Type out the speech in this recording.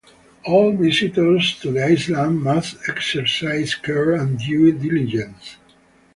All visitors to the island must exercise care and due diligence.